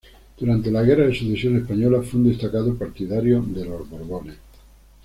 Durante la Guerra de Sucesión Española fue un destacado partidario de los Borbones.